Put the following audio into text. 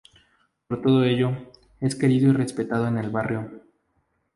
Por todo ello, es querido y respetado en el barrio.